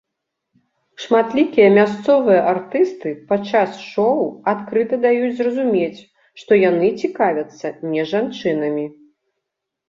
Шматлікія мясцовыя артысты падчас шоу адкрыта даюць зразумець, што яны цікавяцца не жанчынамі.